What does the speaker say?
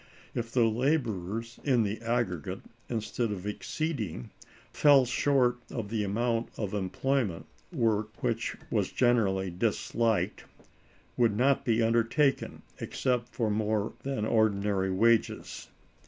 If the laborers in the aggregate, instead of exceeding, fell short of the amount of employment, work which was generally disliked would not be undertaken, except for more than ordinary wages.